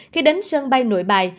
khi đến sân bay nội bài